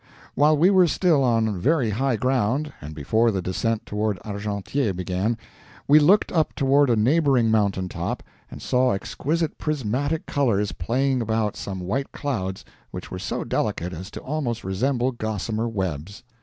While we were still on very high ground, and before the descent toward Argentière began, we looked up toward a neighboring mountain top, and saw exquisite prismatic colors playing about some white clouds which were so delicate as to almost resemble gossamer webs.